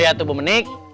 siap pak rete